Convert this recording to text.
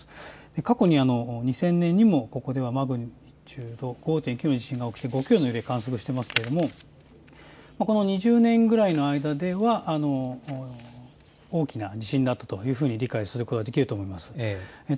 過去に２０００年にもここではマグニチュード５．９の地震が起きて５強の揺れを観測していますがこの２０年ぐらいの間では大きな地震があったということが理解できると思います。